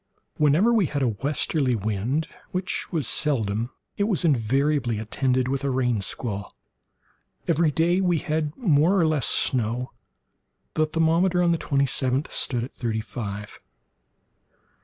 Whenever we had a westerly wind, which was seldom, it was invariably attended with a rain squall. Every day we had more or less snow. The thermometer, on the twenty seventh stood at thirty five.